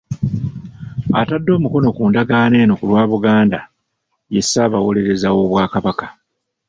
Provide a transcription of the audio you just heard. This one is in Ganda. Atadde omukono ku ndagaano eno ku lwa Buganda ye Ssaabawolereza w'Obwakabaka